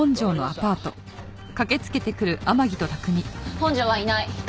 本条はいない。